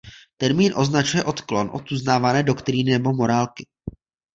Termín označuje odklon od uznávané doktríny nebo morálky.